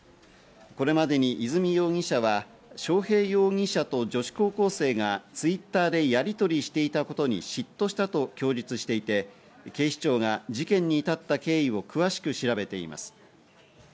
これまでに和美容疑者は章平容疑者と女子高校生がＴｗｉｔｔｅｒでやりとりしていたことに嫉妬したと供述していて、警視庁が事件に至った経緯を詳しく調べています。